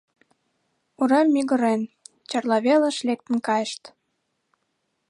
Урем мӱгырен, Чарла велыш лектын кайышт.